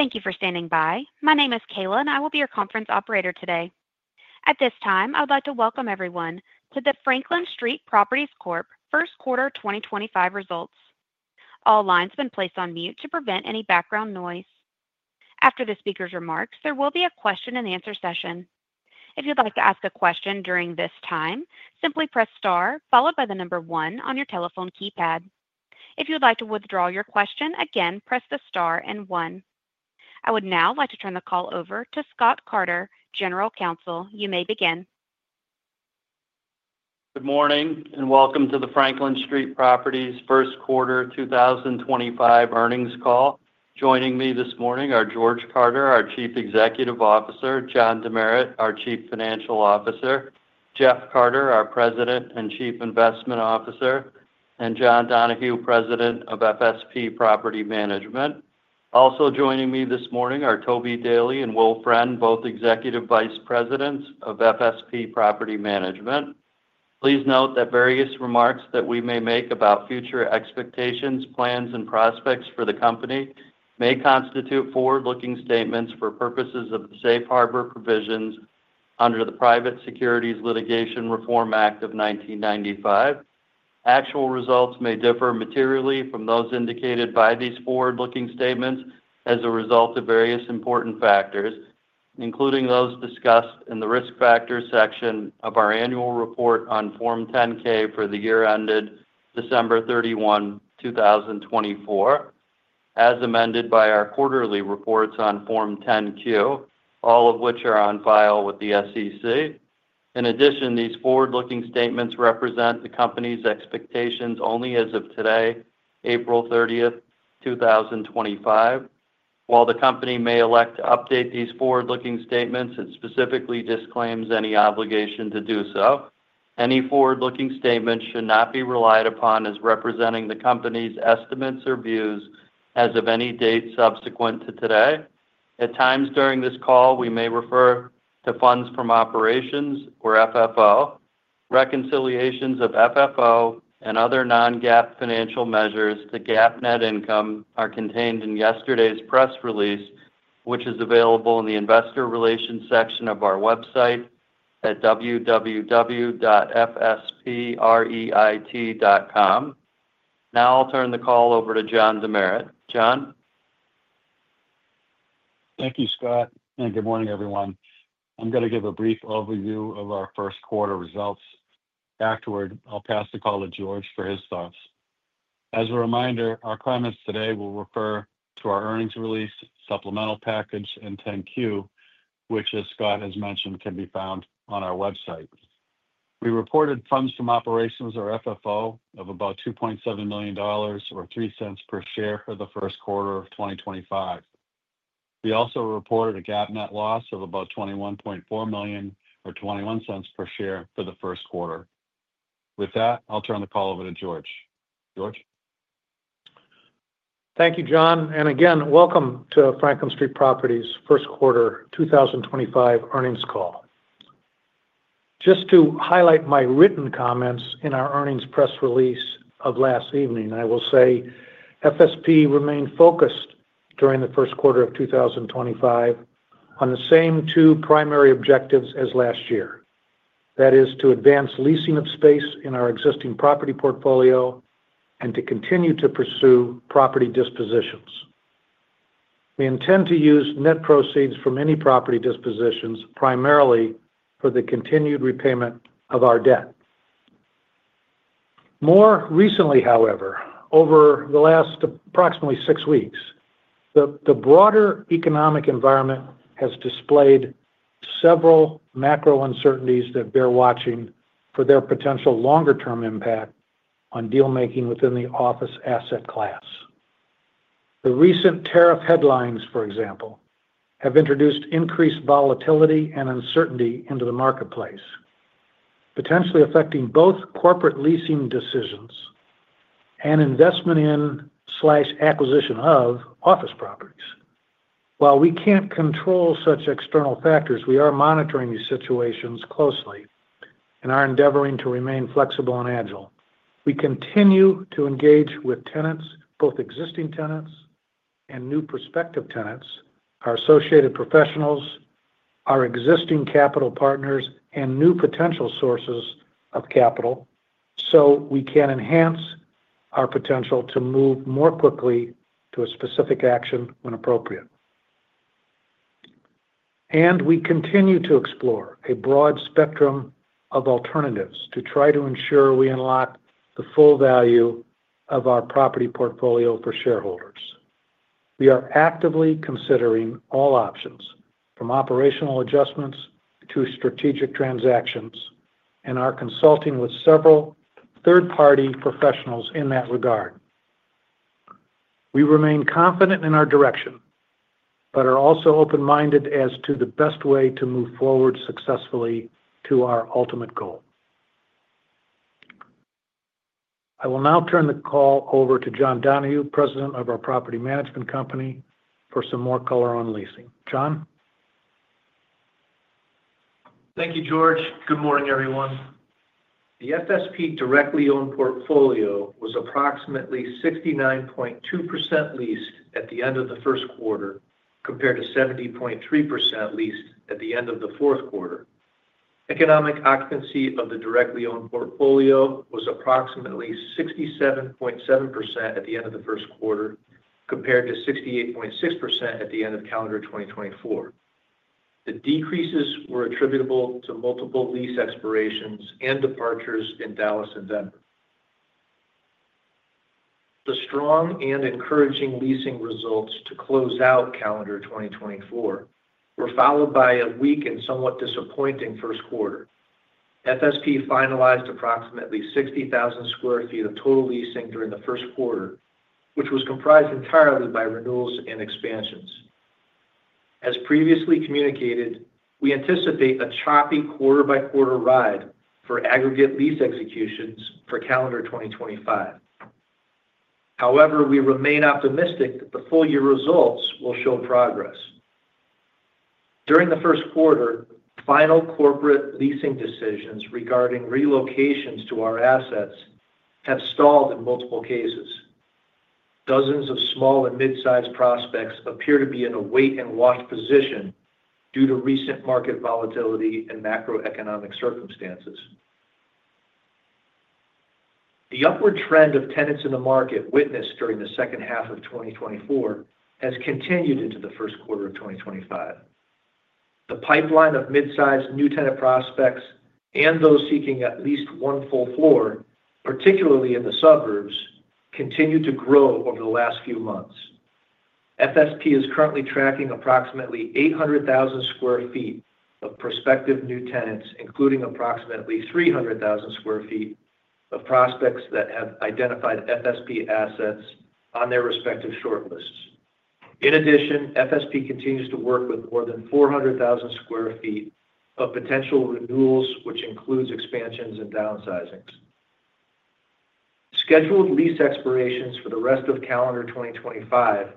Thank you for standing by. My name is Kayla, and I will be your conference operator today. At this time, I would like to welcome everyone to the Franklin Street Properties Corp. First Quarter 2025 results. All lines have been placed on mute to prevent any background noise. After the speaker's remarks, there will be a question-and-answer session. If you'd like to ask a question during this time, simply press star followed by the number one on your telephone keypad. If you'd like to withdraw your question, again, press the star and one. I would now like to turn the call over to Scott Carter, General Counsel. You may begin. Good morning and welcome to the Franklin Street Properties First Quarter 2025 earnings call. Joining me this morning are George Carter, our Chief Executive Officer, John Demeritt, our Chief Financial Officer, Jeff Carter, our President and Chief Investment Officer, and John Donahue, President of FSP Property Management. Also joining me this morning are Toby Daley and Will Friend, both Executive Vice Presidents of FSP Property Management. Please note that various remarks that we may make about future expectations, plans, and prospects for the company may constitute forward-looking statements for purposes of the safe harbor provisions under the Private Securities Litigation Reform Act of 1995. Actual results may differ materially from those indicated by these forward-looking statements as a result of various important factors, including those discussed in the risk factor section of our annual report on Form 10-K for the year ended December 31, 2024, as amended by our quarterly reports on Form 10-Q, all of which are on file with the SEC. In addition, these forward-looking statements represent the company's expectations only as of today, April 30th, 2025. While the company may elect to update these forward-looking statements, it specifically disclaims any obligation to do so. Any forward-looking statements should not be relied upon as representing the company's estimates or views as of any date subsequent to today. At times during this call, we may refer to funds from operations or FFO. Reconciliations of FFO and other non-GAAP financial measures to GAAP net income are contained in yesterday's press release, which is available in the investor relations section of our website at www.fspreit.com. Now I'll turn the call over to John Demeritt. John. Thank you, Scott, and good morning, everyone. I'm going to give a brief overview of our first quarter results. Afterward, I'll pass the call to George for his thoughts. As a reminder, our comments today will refer to our earnings release, supplemental package, and 10-Q, which, as Scott has mentioned, can be found on our website. We reported funds from operations or FFO of about $2.7 million or $0.03 per share for the first quarter of 2025. We also reported a GAAP net loss of about $21.4 million or $0.21 per share for the first quarter. With that, I'll turn the call over to George. George. Thank you, John. Again, welcome to Franklin Street Properties First Quarter 2025 earnings call. Just to highlight my written comments in our earnings press release of last evening, I will say FSP remained focused during the first quarter of 2025 on the same two primary objectives as last year, that is, to advance leasing of space in our existing property portfolio and to continue to pursue property dispositions. We intend to use net proceeds from any property dispositions primarily for the continued repayment of our debt. More recently, however, over the last approximately six weeks, the broader economic environment has displayed several macro uncertainties that bear watching for their potential longer-term impact on dealmaking within the office asset class. The recent tariff headlines, for example, have introduced increased volatility and uncertainty into the marketplace, potentially affecting both corporate leasing decisions and investment in/acquisition of office properties. While we can't control such external factors, we are monitoring these situations closely and are endeavoring to remain flexible and agile. We continue to engage with tenants, both existing tenants and new prospective tenants, our associated professionals, our existing capital partners, and new potential sources of capital so we can enhance our potential to move more quickly to a specific action when appropriate. We continue to explore a broad spectrum of alternatives to try to ensure we unlock the full value of our property portfolio for shareholders. We are actively considering all options, from operational adjustments to strategic transactions, and are consulting with several third-party professionals in that regard. We remain confident in our direction but are also open-minded as to the best way to move forward successfully to our ultimate goal. I will now turn the call over to John Donahue, President of our Property Management Company, for some more color on leasing. John. Thank you, George. Good morning, everyone. The FSP directly owned portfolio was approximately 69.2% leased at the end of the first quarter compared to 70.3% leased at the end of the fourth quarter. Economic occupancy of the directly-owned portfolio was approximately 67.7% at the end of the first quarter compared to 68.6% at the end of calendar 2024. The decreases were attributable to multiple lease expirations and departures in Dallas and Denver. The strong and encouraging leasing results to close out calendar 2024 were followed by a weak and somewhat disappointing first quarter. FSP finalized approximately 60,000 sq ft of total leasing during the first quarter, which was comprised entirely by renewals and expansions. As previously communicated, we anticipate a choppy quarter-by-quarter ride for aggregate lease executions for calendar 2025. However, we remain optimistic that the full year results will show progress. During the first quarter, final corporate leasing decisions regarding relocations to our assets have stalled in multiple cases. Dozens of small and mid-sized prospects appear to be in a wait-and-watch position due to recent market volatility and macroeconomic circumstances. The upward trend of tenants in the market witnessed during the second half of 2024 has continued into the first quarter of 2025. The pipeline of mid-sized new tenant prospects and those seeking at least one full floor, particularly in the suburbs, continued to grow over the last few months. FSP is currently tracking approximately 800,000 sq ft of prospective new tenants, including approximately 300,000 sq ft of prospects that have identified FSP assets on their respective short lists. In addition, FSP continues to work with more than 400,000 sq ft of potential renewals, which includes expansions and downsizings. Scheduled lease expirations for the rest of calendar 2025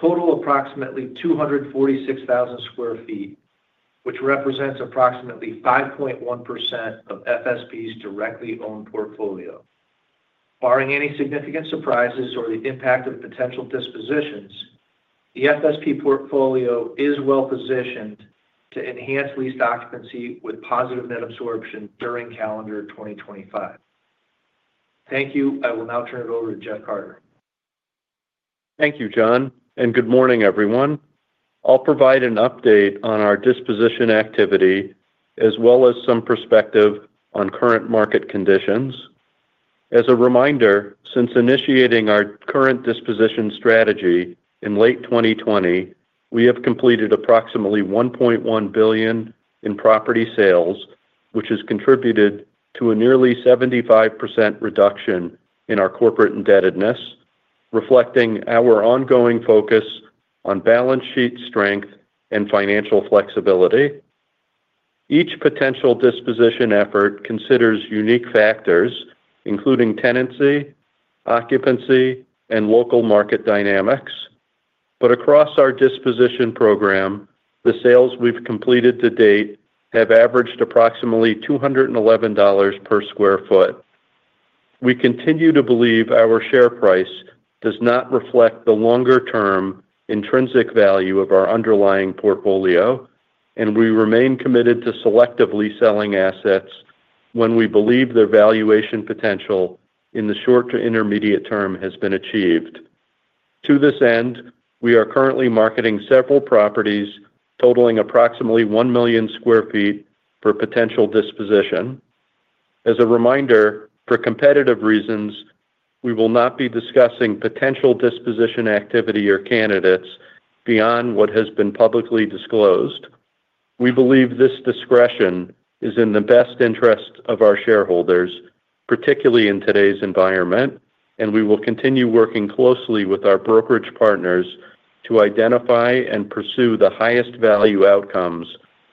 total approximately 246,000 sq ft, which represents approximately 5.1% of FSP's directly owned portfolio. Barring any significant surprises or the impact of potential dispositions, the FSP portfolio is well-positioned to enhance lease occupancy with positive net absorption during calendar 2025. Thank you. I will now turn it over to Jeff Carter. Thank you, John. Good morning, everyone. I'll provide an update on our disposition activity as well as some perspective on current market conditions. As a reminder, since initiating our current disposition strategy in late 2020, we have completed approximately $1.1 billion in property sales, which has contributed to a nearly 75% reduction in our corporate indebtedness, reflecting our ongoing focus on balance sheet strength and financial flexibility. Each potential disposition effort considers unique factors, including tenancy, occupancy, and local market dynamics. Across our disposition program, the sales we've completed to date have averaged approximately $211 per sq ft. We continue to believe our share price does not reflect the longer-term intrinsic value of our underlying portfolio, and we remain committed to selectively selling assets when we believe their valuation potential in the short to intermediate term has been achieved. To this end, we are currently marketing several properties totaling approximately 1 million sq ft for potential disposition. As a reminder, for competitive reasons, we will not be discussing potential disposition activity or candidates beyond what has been publicly disclosed. We believe this discretion is in the best interest of our shareholders, particularly in today's environment, and we will continue working closely with our brokerage partners to identify and pursue the highest value outcomes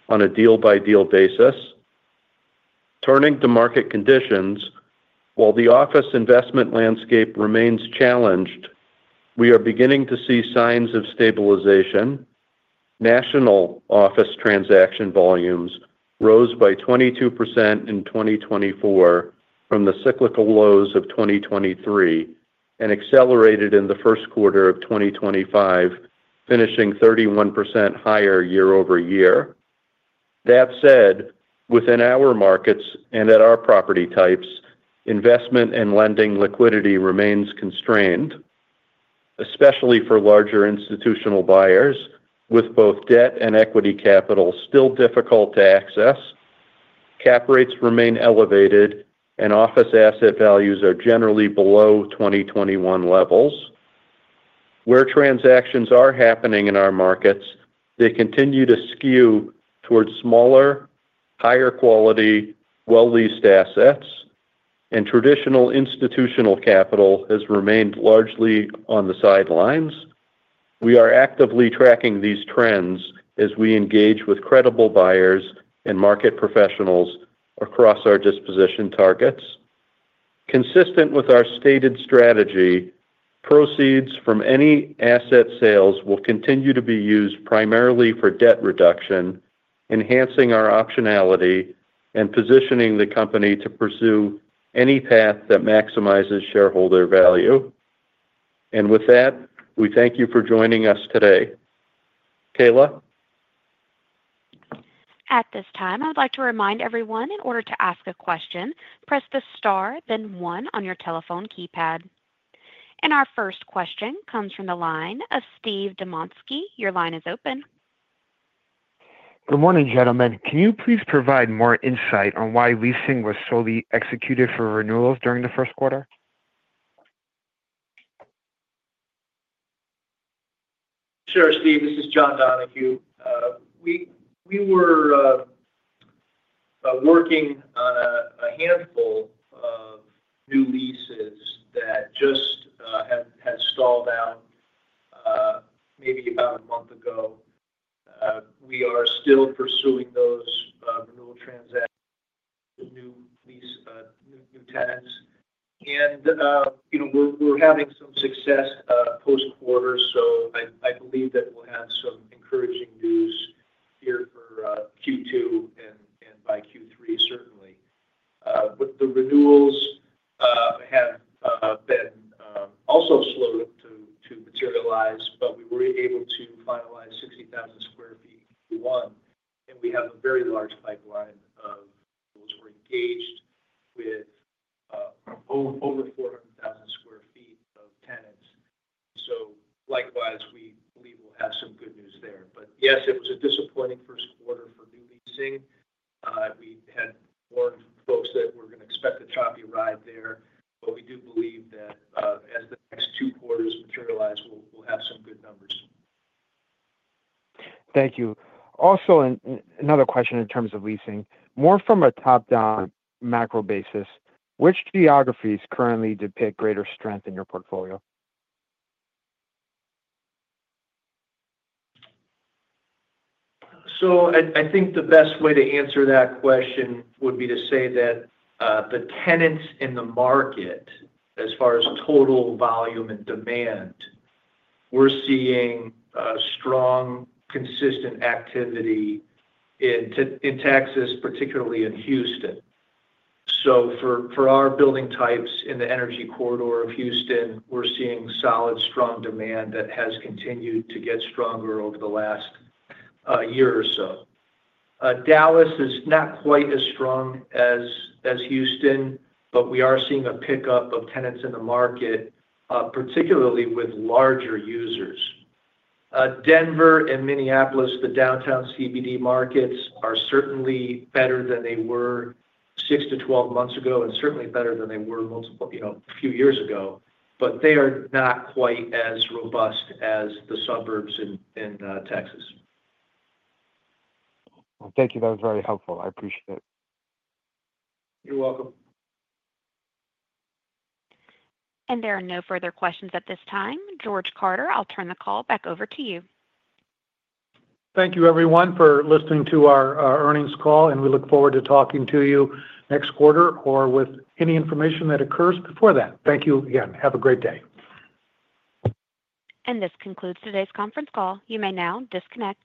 on a deal-by-deal basis. Turning to market conditions, while the office investment landscape remains challenged, we are beginning to see signs of stabilization. National office transaction volumes rose by 22% in 2024 from the cyclical lows of 2023 and accelerated in the first quarter of 2025, finishing 31% higher year-over-year. That said, within our markets and at our property types, investment and lending liquidity remains constrained, especially for larger institutional buyers, with both debt and equity capital still difficult to access. Cap rates remain elevated, and office asset values are generally below 2021 levels. Where transactions are happening in our markets, they continue to skew towards smaller, higher-quality, well-leased assets, and traditional institutional capital has remained largely on the sidelines. We are actively tracking these trends as we engage with credible buyers and market professionals across our disposition targets. Consistent with our stated strategy, proceeds from any asset sales will continue to be used primarily for debt reduction, enhancing our optionality and positioning the company to pursue any path that maximizes shareholder value. We thank you for joining us today. Kayla. At this time, I would like to remind everyone in order to ask a question, press the star, then one on your telephone keypad. Our first question comes from the line of Steve Duansky. Your line is open. Good morning, gentlemen. Can you please provide more insight on why leasing was solely executed for renewals during the first quarter? Sure, Steve. This is John Donahue. We were working on a handful of new leases that just had stalled out maybe about a month ago. We are still pursuing those renewal transactions with new tenants. We are having some success post-quarter, so I believe that we will have some encouraging news here for Q2 and by Q3, certainly. The renewals have been also slow to materialize, but we were able to finalize 60,000 sq ft in Q1, and we have a very large pipeline of those who are engaged with over 400,000 sq ft of tenants. Likewise, we believe we will have some good news there. Yes, it was a disappointing first quarter for new leasing. We had warned folks that we are going to expect a choppy ride there, but we do believe that as the next two quarters materialize, we will have some good numbers. Thank you. Also, another question in terms of leasing. More from a top-down macro basis, which geographies currently depict greater strength in your portfolio? I think the best way to answer that question would be to say that the tenants in the market, as far as total volume and demand, we're seeing strong, consistent activity in Texas, particularly in Houston. For our building types in the energy corridor of Houston, we're seeing solid, strong demand that has continued to get stronger over the last year or so. Dallas is not quite as strong as Houston, but we are seeing a pickup of tenants in the market, particularly with larger users. Denver and Minneapolis, the downtown CBD markets, are certainly better than they were 6 months to 12 months ago and certainly better than they were a few years ago, but they are not quite as robust as the suburbs in Texas. Thank you. That was very helpful. I appreciate it. You're welcome. There are no further questions at this time. George Carter, I'll turn the call back over to you. Thank you, everyone, for listening to our earnings call, and we look forward to talking to you next quarter or with any information that occurs before that. Thank you again. Have a great day. This concludes today's conference call. You may now disconnect.